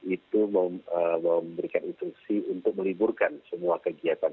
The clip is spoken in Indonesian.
itu memberikan instruksi untuk meliburkan semua kegiatan